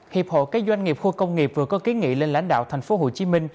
hiệp hội cái doanh nghiệp khu công nghiệp vừa có ký nghị lên lãnh đạo tp hcm